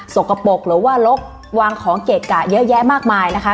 สกปรกหรือว่าลกวางของเกะกะเยอะแยะมากมายนะคะ